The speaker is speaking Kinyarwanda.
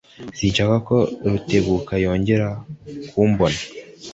Sinshaka ko Rutebuka yongera kumbona.